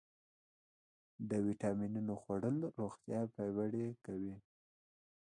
د ویټامینونو خوړل روغتیا پیاوړې کوي.